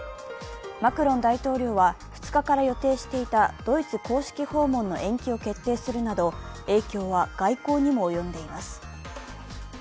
マクロン大統領は、２日から予定していたドイツ公式訪問の延期を決定するなど影響は外交にも及んでいます。